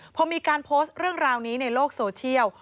พอมีการโพสต์เรื่องราวนี้ในโลกโซเชียล